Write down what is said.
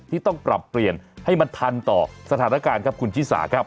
ที่ต้องปรับเปลี่ยนให้มันทันต่อสถานการณ์ครับคุณชิสาครับ